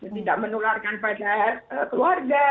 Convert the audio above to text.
tidak menularkan pada keluarga